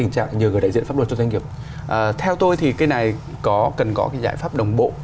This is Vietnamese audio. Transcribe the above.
cái này cần có giải pháp đồng bộ